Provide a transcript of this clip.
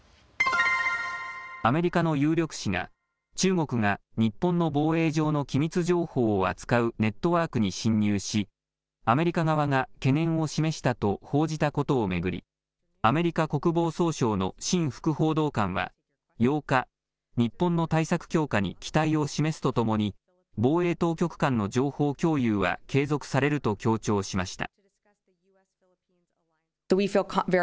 アメリカの有力紙が中国が日本の防衛上の機密情報を扱うネットワークに侵入しアメリカ側が懸念を示したと報じたことを巡りアメリカ国防総省のシン副報道官は８日、日本の対策強化に期待を示すとともに防衛当局間の情報共有は継続されると強調しました。